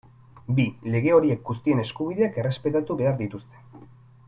Bi, lege horiek guztien eskubideak errespetatu behar dituzte.